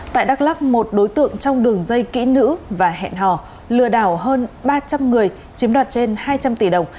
tại đắk lắc một đối tượng trong đường dây kỹ nữ và hẹn hò lừa đảo hơn ba trăm linh người chiếm đoạt trên hai trăm linh tỷ đồng